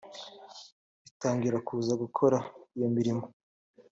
bitangira kuza gukora iyo mirimo